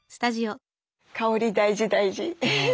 香り大事大事。